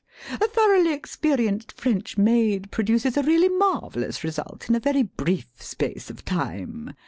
A thoroughly experienced French maid produces a really marvellous result in a very brief space of time.